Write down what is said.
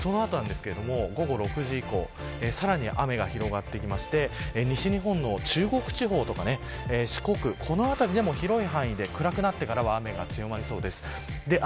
午後６時以降さらに雨が広がってきまして西日本の中国地方とか四国、この辺りでも広い範囲で暗くなってからは雨が強まりそうです。